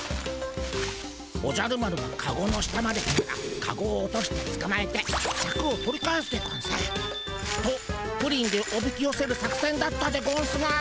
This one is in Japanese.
おじゃる丸がカゴの下まで来たらカゴを落としてつかまえてシャクを取り返すでゴンス。とプリンでおびきよせる作せんだったでゴンスが。